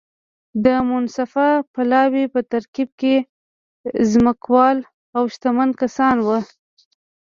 د منصفه پلاوي په ترکیب کې ځمکوال او شتمن کسان وو.